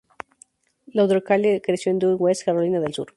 Lauderdale creció en Due West, Carolina del Sur.